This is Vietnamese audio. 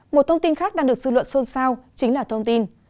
một thông tin khác đang được dư luận sôn sao chính là thông tin